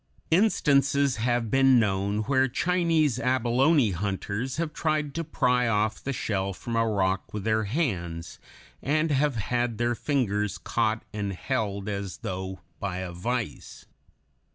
Instances have been known where Chinese abalone hunters have tried to pry off the shell from a rock with their hands, and have had their fingers caught and held as though by a vice.